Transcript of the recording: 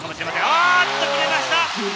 おっと決めました！